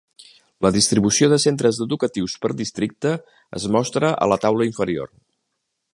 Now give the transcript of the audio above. La distribució de centres educatius per districte es mostra a la taula inferior.